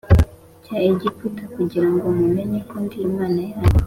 cya Egiputa kugira ngo mumenye ko ndi Imana yanyu